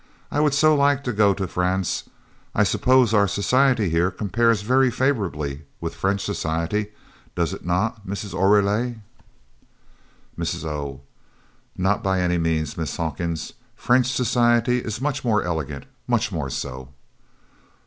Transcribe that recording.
I would so like to go to France. I suppose our society here compares very favorably with French society does it not, Mrs. Oreille?" Mrs. O. "Not by any means, Miss Hawkins! French society is much more elegant much more so."